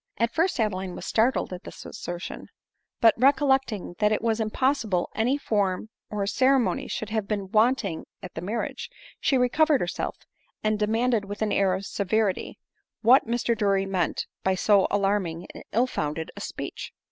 At first Adeline was startled at this assertion ; but recollecting that it was impossible any form or ceremony ADELINE MOWBRAY. 285 ' should have been wanting at the marriage, she recovered herself, and demanded with an air of severity, what Mr Drury meant by so alarming and ill founded a speech.